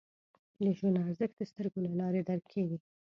د ژوند ارزښت د سترګو له لارې درک کېږي